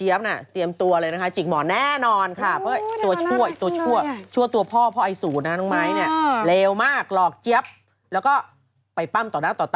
มีคนมรึงนิ้งน่ารักเห็นไหม